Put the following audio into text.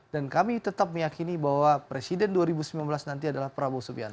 dan kami tetap meyakini bahwa presiden dua ribu sembilan belas nanti adalah prabowo subianto